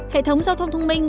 hệ thống giao thông thông minh